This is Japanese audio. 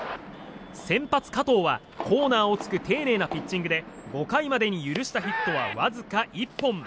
先発、加藤は、コーナーをつく丁寧なピッチングで５回までに許したヒットはわずか１本。